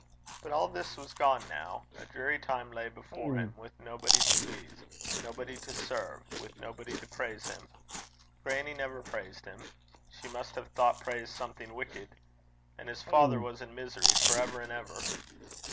But all this was gone now. A dreary time lay before him, with nobody to please, nobody to serve; with nobody to praise him. Grannie never praised him. She must have thought praise something wicked. And his father was in misery, for ever and ever!